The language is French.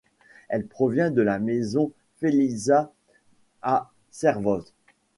Elle provient de la maison Felisaz à Servoz.